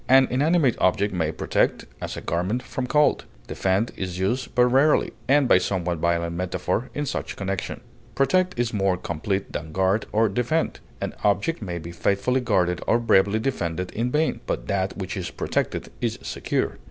An inanimate object may protect, as a garment from cold; defend is used but rarely, and by somewhat violent metaphor, in such connection. Protect is more complete than guard or defend; an object may be faithfully guarded or bravely defended in vain, but that which is protected is secure.